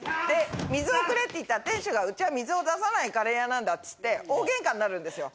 水をくれって言ったら店主がうちは水を出さないカレー屋なんだっつって大ゲンカになるんですよ。